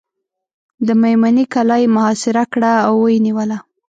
د مېمنې کلا یې محاصره کړه او ویې نیوله.